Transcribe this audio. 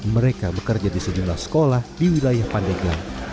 mereka bekerja di sejumlah sekolah di wilayah pandeglang